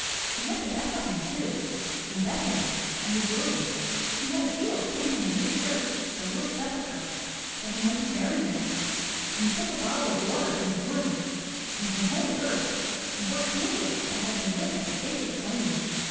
He went to Bethlehem too, and Bethany, and the Jordan. He had a seal stamped on a new shirt at the Lord's sepulchre that he might be buried in it, and he took a bottle of water from the Jordan, and some holy earth, and bought candles that had been lit at the sacred flame.